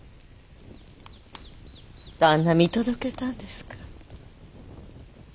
旦那見届けたんですか。